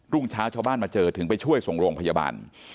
่งเช้าชาวบ้านมาเจอถึงไปช่วยส่งโรงพยาบาล